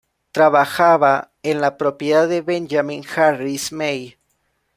Trabajaba en la propiedad de Benjamin Harris May.